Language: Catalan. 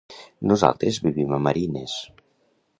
Nosaltres vivim a Marines.